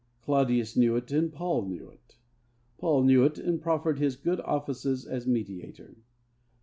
Claudius knew it, and Paul knew it. Paul knew it, and proffered his good offices as mediator.